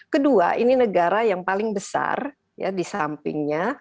kedua ini negara yang paling besar di sampingnya